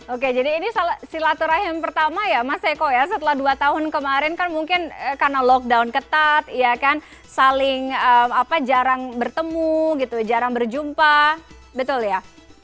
oke jadi ini silaturahim pertama ya mas eko ya setelah dua tahun kemarin kan mungkin karena lockdown ketat ya kan saling jarang bertemu gitu jarang berjumpa betul ya